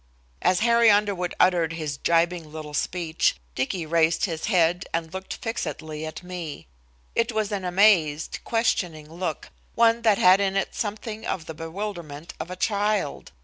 As Harry Underwood uttered his jibing little speech, Dicky raised his head and looked fixedly at me. It was an amazed, questioning look, one that had in it something of the bewilderment of a child.